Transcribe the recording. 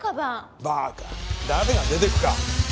バーカ誰が出てくか。